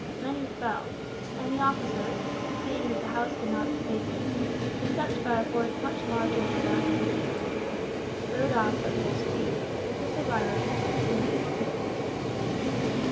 Many fell; and the officer, seeing that the house could not be taken, except by a force much larger than that at his command, rode off at full speed, with the survivors, to Scindia's camp.